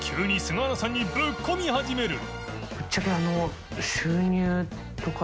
ぶっちゃけ磴修